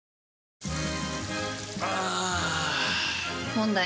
問題。